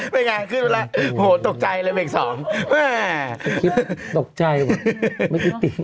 ไม่อย่างไรขึ้นมาแล้วโหตกใจระเบียงสอง